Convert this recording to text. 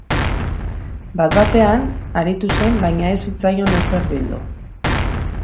Bat-batean aritu zen baina ez zitzaion ezer bildu.